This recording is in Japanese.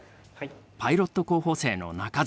パイロット候補生の中里。